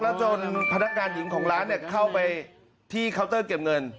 แล้วจนพนักงานหญิงของร้านเข้าไปที่เคาน์เตอร์เก็บเงิน